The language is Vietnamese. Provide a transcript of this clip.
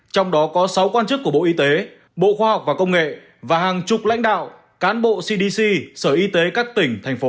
trong đó có sáu quan chức của bộ y tế bộ khoa học và công nghệ và hàng chục lãnh đạo cán bộ cdc sở y tế các tỉnh thành phố